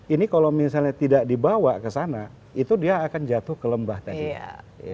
ini kalau misalnya tidak dibawa ke sana itu dia akan jatuh ke lembah tadi